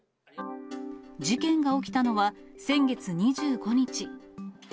事件が起きたのは、先月２５日。